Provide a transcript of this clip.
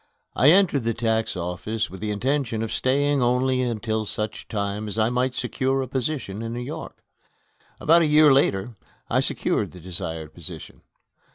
I entered the Tax Office with the intention of staying only until such time as I might secure a position in New York. About a year later I secured the desired position.